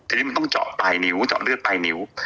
ทีนี้มันต้องเจาะปลายนิ้วเจาะเลือดปลายนิ้ว